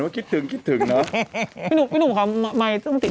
คิดถึงนะ